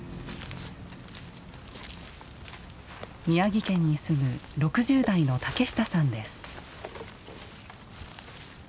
宮城県に住む６０代の竹下さんです。